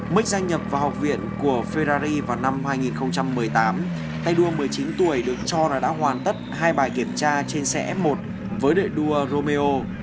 mới gia nhập vào học viện của ferrari vào năm hai nghìn một mươi tám tay đua một mươi chín tuổi được cho là đã hoàn tất hai bài kiểm tra trên xe f một với đệ đua romeo